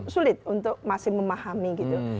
sulit untuk masih memahami gitu